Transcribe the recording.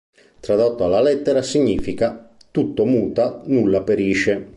Tradotta alla lettera significa "tutto muta, nulla perisce".